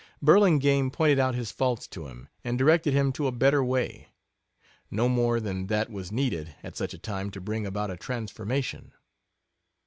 Burlingame pointed out his faults to him, and directed him to a better way. No more than that was needed at such a time to bring about a transformation.